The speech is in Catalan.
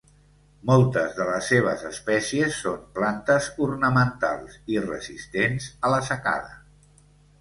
Moltes de les seves espècies són plantes ornamentals i resistents a la secada.